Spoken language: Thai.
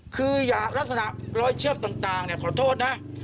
คืออย่าลักษณะรอยเชือกต่างขอโทษนะ